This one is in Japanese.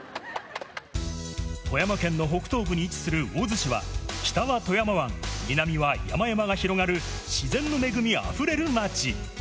富山県の北東部に位置する魚津市は、北は富山湾、南は山々が広がる、自然の恵みあふれる町。